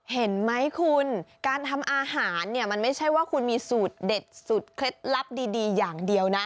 เห็นไหมคุณการทำอาหารเนี่ยมันไม่ใช่ว่าคุณมีสูตรเด็ดสูตรเคล็ดลับดีอย่างเดียวนะ